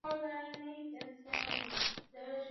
haijapiga marufuku sarafu ya kimtandao lakini ina wasiwasi